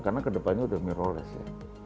karena kedepannya udah mirrorless ya